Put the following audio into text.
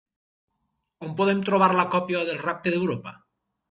On podem trobar la còpia del Rapte d'Europa?